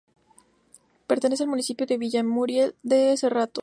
Pertenece al municipio de Villamuriel de Cerrato.